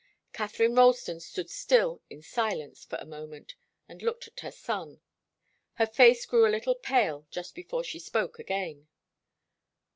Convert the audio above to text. Katharine Ralston stood still in silence for a moment, and looked at her son. Her face grew a little pale just before she spoke again.